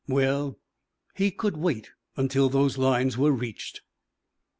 Well, he could wait until those lines were reached.